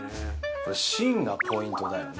これ芯がポイントだよね